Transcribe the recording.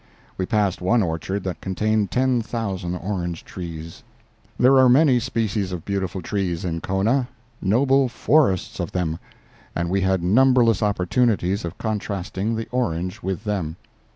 We passed one orchard that contained ten thousand orange trees. There are many species of beautiful trees in Kona—noble forests of them—and we had numberless opportunities of contrasting the orange with them.